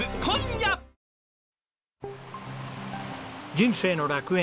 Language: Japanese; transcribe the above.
『人生の楽園』